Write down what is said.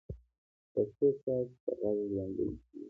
پښتو ستاسو په غږ ژوندۍ کېږي.